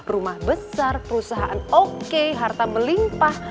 rumah besar perusahaan oke harta melimpah